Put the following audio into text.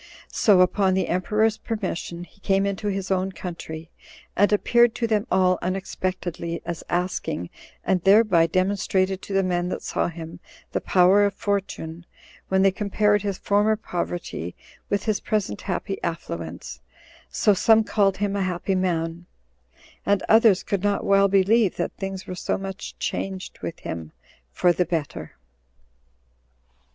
So, upon the emperor's permission, he came into his own country, and appeared to them all unexpectedly as asking, and thereby demonstrated to the men that saw him the power of fortune, when they compared his former poverty with his present happy affluence; so some called him a happy man, and others could not well believe that things were so much changed with him for the better.